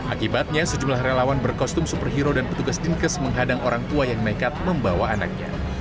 akibatnya sejumlah relawan berkostum superhero dan petugas dinkes menghadang orang tua yang nekat membawa anaknya